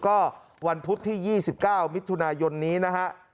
ก็วันพุธที่๒๙มิถุนายนนี้นะฮะ